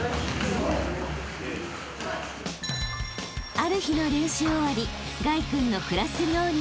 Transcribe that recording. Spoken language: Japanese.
［ある日の練習終わり］